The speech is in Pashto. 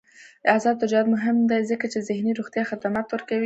آزاد تجارت مهم دی ځکه چې ذهني روغتیا خدمات ورکوي.